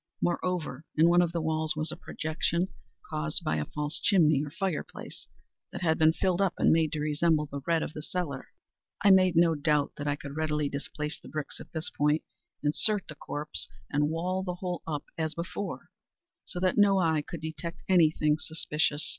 Moreover, in one of the walls was a projection, caused by a false chimney, or fireplace, that had been filled up, and made to resemble the red of the cellar. I made no doubt that I could readily displace the bricks at this point, insert the corpse, and wall the whole up as before, so that no eye could detect any thing suspicious.